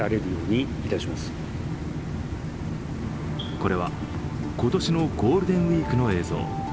これは今年のゴールデンウイークの映像。